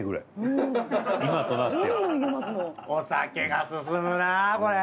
お酒が進むなこれ。